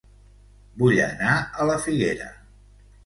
Vull anar a La Figuera